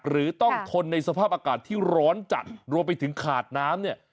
หรือต้องทนในสภาพอากาศที่ร้อนจัดรวมไปถึงขาดน้ำเนี่ย